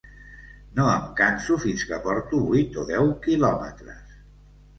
No em canso fins que porto vuit o deu quilòmetres.